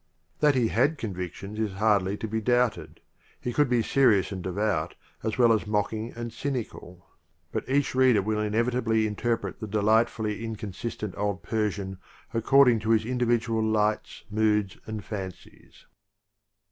That he had convitlions is hardly to be doubted; he could be serious and devout as well as mocking and cynical; but each reader will inevitably interpret the delightfully incon sistent old Persian according to his indi vidual lightSy moods and fancies.